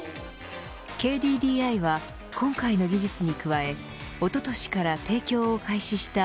ＫＤＤＩは今回の技術に加えおととしから提供を開始した